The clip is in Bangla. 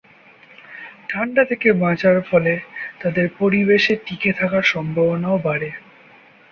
ঠাণ্ডা থেকে বাঁচার ফলে তাদের পরিবেশে টিকে থাকার সম্ভাবনাও বাড়ে।